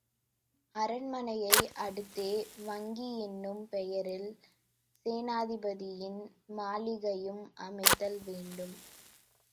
அரண்மனையை அடுத்தே வங்கி என்னும் பெயரில் சேனாதிபதியின் மாளிகையும் அமைத்தல் வேண்டும்.